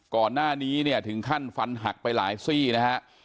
ก่อนหน้านี้เนี่ยถึงขั้นฟันหักไปหลายซี่นะฮะ